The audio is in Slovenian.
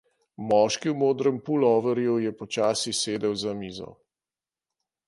Moški v modrem puloverju je počasi sedel za mizo.